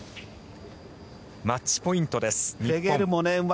マッチポイントです、日本。